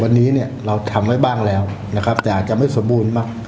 วันนี้เนี่ยเราทำไว้บ้างแล้วนะครับแต่อาจจะไม่สมบูรณ์มาก